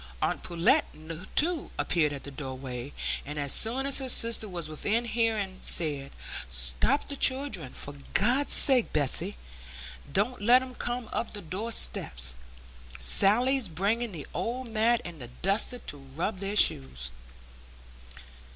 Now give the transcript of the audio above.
Aunt Pullet, too, appeared at the doorway, and as soon as her sister was within hearing said, "Stop the children, for God's sake! Bessy; don't let 'em come up the door steps; Sally's bringing the old mat and the duster, to rub their shoes."